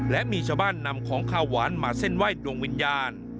และมีชาวบ้านนำของข้าวหวานมาเส้นไหว้ดวงวิญญาณ